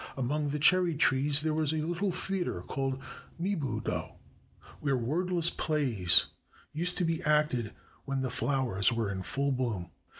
Among the cherry trees there was a Httle theater called Mibu do, where wordless plays used to be acted when the flowers were in full bloom.